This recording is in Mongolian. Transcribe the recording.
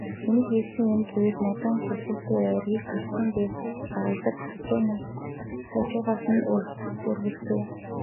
Миний хийсэн юм гэвэл модон хөхүүртэй айргийг л машин дээр гаргахад хажуугаас нь өргөлцөв.